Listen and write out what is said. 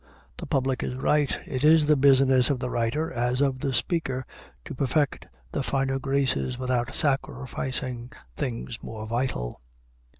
The public is right; it is the business of the writer, as of the speaker, to perfect the finer graces without sacrificing things more vital.